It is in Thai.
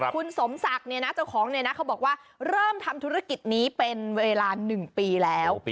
คุณสมศักดิ์เนี่ยนะเจ้าของเนี่ยนะเขาบอกว่าเริ่มทำธุรกิจนี้เป็นเวลา๑ปีแล้ว